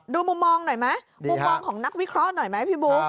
มุมมองหน่อยไหมมุมมองของนักวิเคราะห์หน่อยไหมพี่บุ๊ค